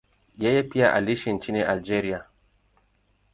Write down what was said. Yeye pia aliishi nchini Algeria.